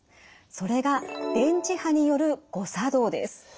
それが電磁波による誤作動です。